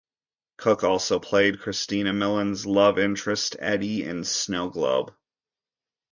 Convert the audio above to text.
Cooke also played Christina Milian's love interest, Eddie, in "Snowglobe".